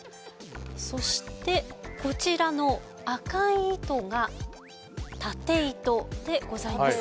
そしてこちらの赤い糸が縦糸でございます。